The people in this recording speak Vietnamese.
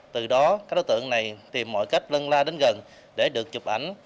từ đó các đối tượng này tìm mọi cách lân la đến gần để được chụp ảnh